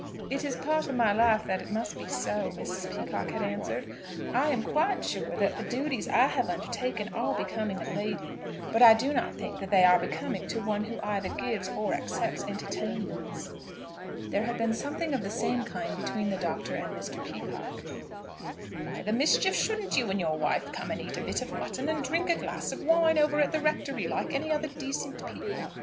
"It is part of my life that it must be so," Mrs. Peacocke had answered. "I am quite sure that the duties I have undertaken are becoming a lady; but I do not think that they are becoming to one who either gives or accepts entertainments." There had been something of the same kind between the Doctor and Mr. Peacocke. "Why the mischief shouldn't you and your wife come and eat a bit of mutton, and drink a glass of wine, over at the Rectory, like any other decent people?"